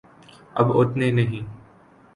اب اتنے نہیں۔